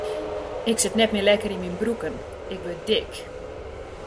Ik sit net mear lekker yn myn broeken, ik wurd dik.